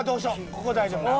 ここは大丈夫なん？